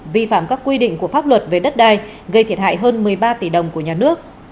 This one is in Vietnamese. vi phạm các quy định của pháp luật về đất đai gây thiệt hại hơn một mươi ba tỷ đồng của nhà nước